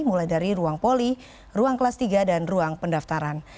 mulai dari ruang poli ruang kelas tiga dan ruang pendaftaran